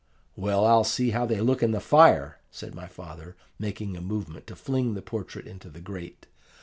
"'Well, I'll see how they look in the fire!' said my father, making a movement to fling the portrait into the grate.